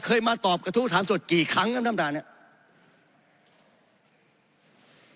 เคยมาตอบกระทู้ถามสดกี่ครั้งครั้งทำดารนี้